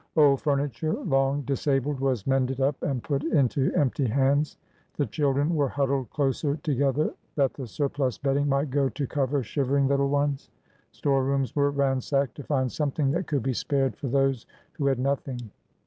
'^ Old furniture long disabled was mended up and put into empty hands ; the children were huddled closer together that the surplus bedding might go to cover shivering little ones; storerooms were ransacked to find something that could be spared for those who had no thing.